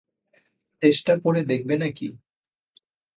চেষ্টা করে দেখবে নাকি?